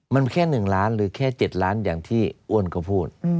มันแค่๑ล้านหรือแค่๗ล้านอย่างที่อ้วนเขาพูด